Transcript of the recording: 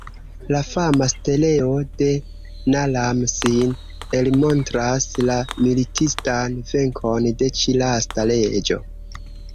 La fama steleo de Naram-Sin elmontras la militistan venkon de ĉi lasta reĝo.